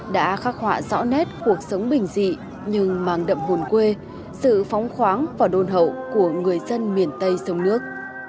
đã khắc họa rõ nét cuộc sống bình dị nhưng mang đậm hồn quê sự phóng khoáng và đôn hậu của người dân miền tây sông nước